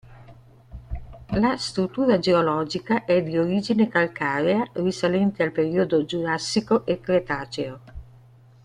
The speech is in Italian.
La struttura geologica è di origina calcarea risalente al periodo giurassico e cretaceo.